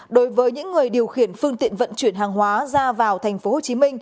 đối với những người điều khiển phương tiện vận chuyển hàng hóa ra vào tp hcm